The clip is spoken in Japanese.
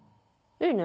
いいね。